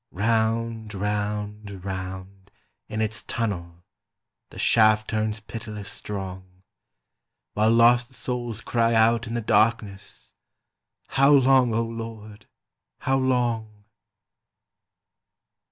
Round, round, round in its tunnel The shaft turns pitiless strong, While lost souls cry out in the darkness: "How long, O Lord, how long?"